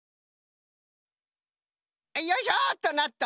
よいしょとなっと。